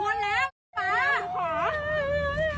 หนูขอ